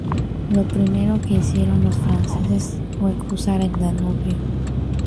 Lo primero que hicieron los franceses fue cruzar el Danubio.